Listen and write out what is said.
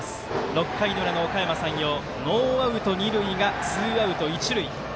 ６回の裏のおかやま山陽ノーアウト、二塁がツーアウト、一塁。